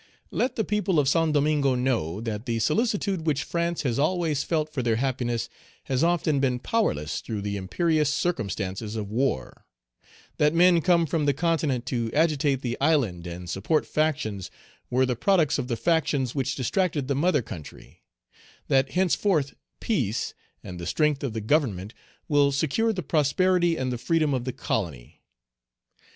"Let the people of Saint Domingo know that the solicitude which France has always felt for their happiness has often been powerless through the imperious circumstances of war; that men come from the continent to agitate the island and support factions, were the products of the factions which distracted the mother country; that henceforth peace, and the strength of the Government, will secure the prosperity and the freedom of the colony.